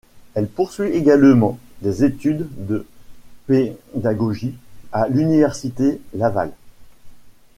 Elle poursuit également des études de pédagogie à l'Université Laval.